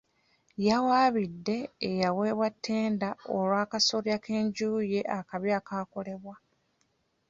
Yawaabidde eyaweebwa ttenda olw'akasolya k'enju ye akabi akaakolebwa.